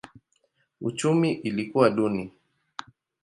Uchumi ilikuwa duni.